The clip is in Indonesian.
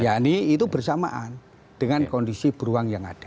yani itu bersamaan dengan kondisi beruang yang ada